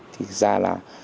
thì ra là